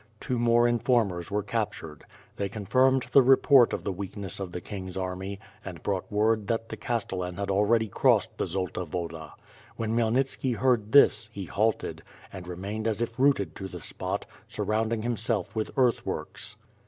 Two more informers were ca]>turod. They confirmed the report of the weakness of the king's army, and brought word that tlie Castellan had already crossed the Zolta Woda. When Khmyelnitski heard this, he halted, and remained as if rooted to the spot, sur rounding himself with earthworks.